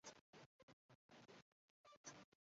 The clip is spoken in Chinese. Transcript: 藤原内麻吕是奈良时代至平安时代初期的公卿。